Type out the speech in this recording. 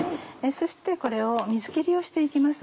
そしてこれを水切りをして行きます。